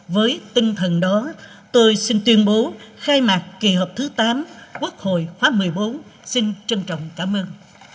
với tinh thần đó tôi xin tuyên bố khai mạc kỳ họp thứ tám quốc hội khóa một mươi bốn xin trân trọng cảm ơn